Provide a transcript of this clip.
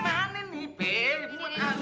masih bangun nih